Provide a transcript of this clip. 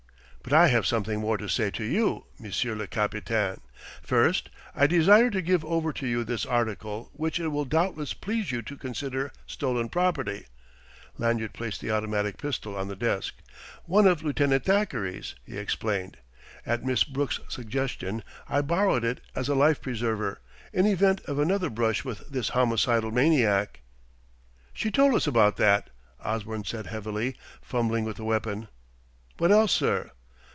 "But I have something more to say to you, monsieur le capitaine. First, I desire to give over to you this article which it will doubtless please you to consider stolen property." Lanyard placed the automatic pistol on the desk. "One of Lieutenant Thackeray's," he explained; "at Miss Brooke's suggestion, I borrowed it as a life preserver, in event of another brush with this homicidal maniac." "She told us about that," Osborne said heavily, fumbling with the weapon. "What else, sir?"